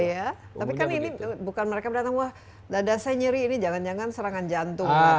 iya tapi kan ini bukan mereka datang wah dada saya nyeri ini jangan jangan serangan jantung